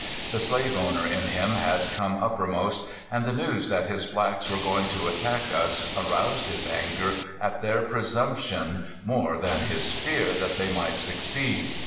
The slave owner in him had come uppermost, and the news that his blacks were going to attack us aroused his anger at their presumption more than his fear that they might succeed.